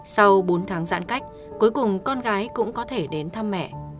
sau bốn tháng giãn cách cuối cùng con gái cũng có thể đến thăm mẹ